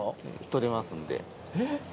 取れますんで。